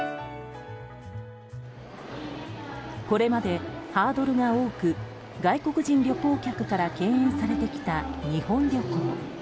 これまでハードルが多く外国人旅行客から敬遠されてきた日本旅行。